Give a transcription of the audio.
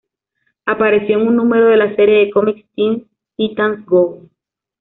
Apareció en un número de la serie de cómics Teen Titans Go!.